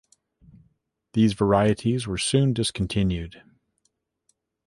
These varieties were soon discontinued.